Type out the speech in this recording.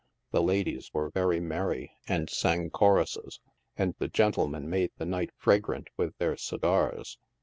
The ladies were very merry, and sang chorusses, and the gentlemen made the night fragrant with their segars.